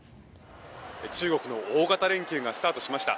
中国の大型連休がスタートしました。